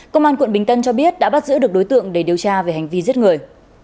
công an quận bình tân cho biết đã bắt giữ được đối tượng để điều tra về hành vi giết người